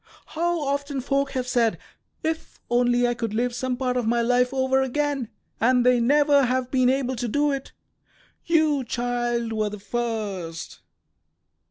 How often folk have said, 'If only I could live some part of my life over again!' and they never have been able to do it. You, child, were the first."